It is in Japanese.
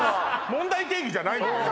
問題提起じゃないのね